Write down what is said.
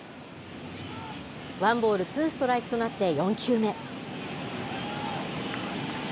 ワンボールツーストライクとなって４球目。